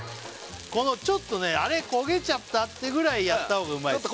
このちょっと「あれ焦げちゃった？」ってぐらいやった方がうまいです